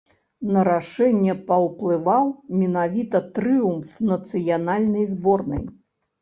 На рашэнне паўплываў менавіта трыумф нацыянальнай зборнай.